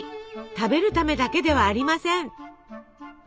食べるためだけではありません。